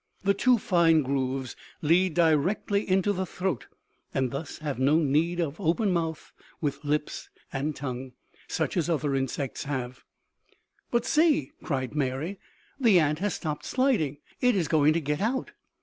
The two fine grooves lead directly into the throat, and thus there is no need of open mouth with lips and tongue, such as other insects have. "But see," cried Mary, "the ant has stopped sliding. It is going to get out!"